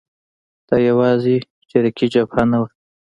دا یوازې چریکي جبهه نه وه.